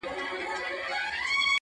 • ګیدړ ژر له حیرانیه کړه خوله وازه -